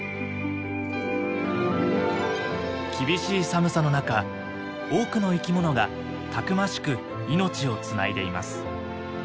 厳しい寒さの中多くの生き物がたくましく命をつないでいます。